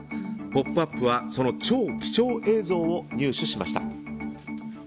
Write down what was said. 「ポップＵＰ！」はその超貴重映像を入手しました。